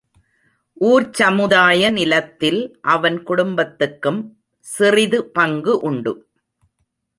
ஊர்ச் சமுதாய நிலத்தில் அவன் குடும்பத்துக்கும் சிறிது பங்கு உண்டு.